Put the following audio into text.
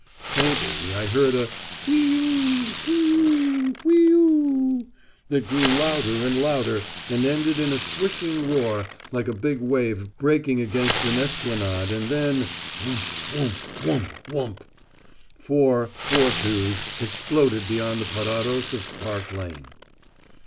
Faintly I heard a "wheeoo, wheeoo, wheeoo," that grew louder and louder and ended in a swishing roar like a big wave breaking against an esplanade and then "wump wump wump wump" four 4·2's exploded beyond the parados of Park Lane.